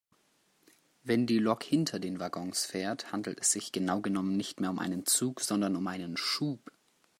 Wenn die Lok hinter den Waggons fährt, handelt es sich genau genommen nicht mehr um einen Zug sondern um einen Schub.